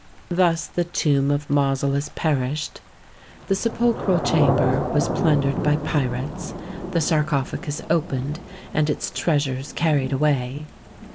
Thus the tomb of Mausolus perished. The sepulchral chamber was plundered by pirates, the sarcophagus opened, and its treasures carried away.